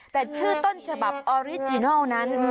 แต่ชื่อต้นฉบออริจินัลแนะ